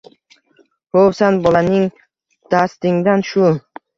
Ho‘v san bolaning dastingdan shu